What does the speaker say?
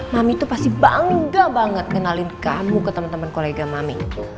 mami tuh pasti bangga banget kenalin kamu ke temen temen kolega mami